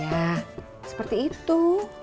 ya seperti itu